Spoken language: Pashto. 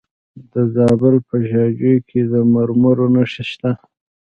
د زابل په شاجوی کې د مرمرو نښې شته.